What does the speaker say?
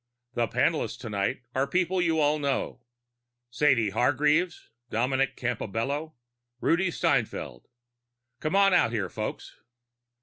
The panelists tonight are people you all know Sadie Hargreave, Dominic Campobello, Rudi Steinfeld. Come on out here, folks."